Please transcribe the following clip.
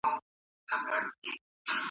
آیا خوښي تر خفګان لنډه ښکاري؟